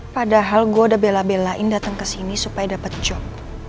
padahal gue udah bela belain datang kesini supaya dapet job